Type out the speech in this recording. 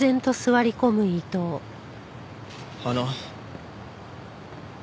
あの。